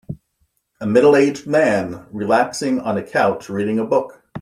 A middleaged man relaxing on a couch reading a book.